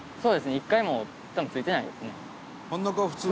１回も多分ついてないですね。